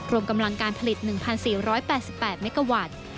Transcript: รวมกำลังการผลิต๑๔๘๘เมกาวัตต์